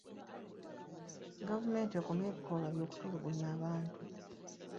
Gavumenti ekomye ebikolwa eby'okutulugunya abantu.